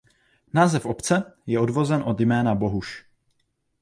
Název obce je odvozen od jména Bohuš.